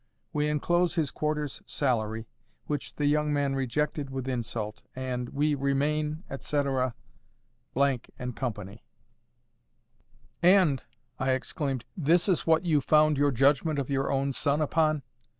We enclose his quarter's salary, which the young man rejected with insult, and, "We remain, &c., "—— and Co." "And," I exclaimed, "this is what you found your judgment of your own son upon!